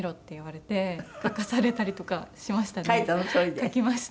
書きました。